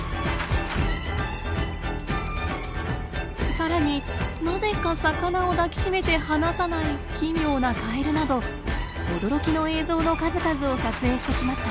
さらになぜか魚を抱きしめて離さない奇妙なカエルなど驚きの映像の数々を撮影してきました。